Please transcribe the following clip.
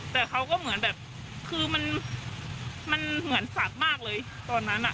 แต่เขาก็เหมือนแบบคือมันเหมือนสัตว์มากเลยตอนนั้นอ่ะ